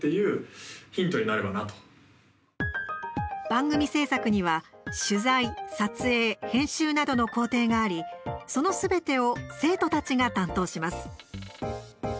番組制作には、取材、撮影編集などの工程がありそのすべてを生徒たちが担当します。